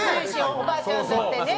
おばあちゃんだってね